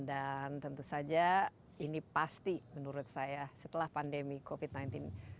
dan tentu saja ini pasti menurut saya setelah pandemi covid sembilan belas